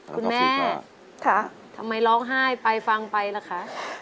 คุณแม่ค่ะทำไมร้องไห้ไปฟังไปล่ะคะ